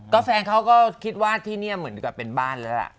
ก็แฟนเขาก็คิดว่าที่นี่เหมือนกับเป็นบ้านแล้วล่ะ